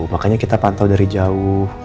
makanya kita pantau dari jauh